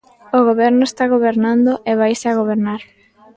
O Goberno está gobernando e vaise a gobernar.